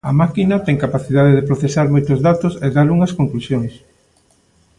A máquina ten capacidade de procesar moitos datos e dar unhas conclusións.